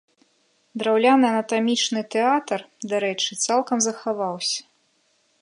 Драўляны анатамічны тэатр, дарэчы, цалкам захаваўся.